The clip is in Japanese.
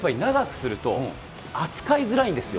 やっぱり長くすると、扱いづらいんですよ。